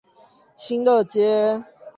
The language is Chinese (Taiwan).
新樂街